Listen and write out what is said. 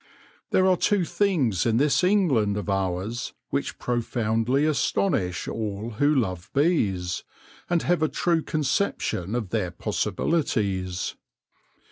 There are two things in this England of ours which profoundly astonish all who love bees, and have a true conception of their possibilities.